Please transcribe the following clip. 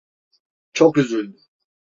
Çok üzüldü.